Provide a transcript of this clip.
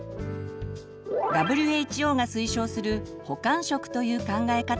ＷＨＯが推奨する「補完食」という考え方があります。